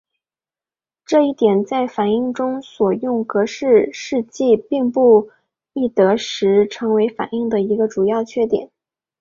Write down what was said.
这一点在反应中所用格氏试剂并不易得时成为反应的一个主要缺点。